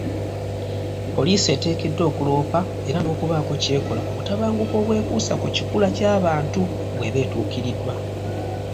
Poliisi eteekeddwa okuloopa era n'okubaako kyekola ku butabanguko obwekuusa ku kikula ky'abantu bweba etuukiriddwa.